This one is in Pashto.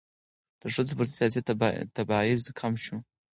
د ښځو پر ضد سیاسي تبعیض کم شو.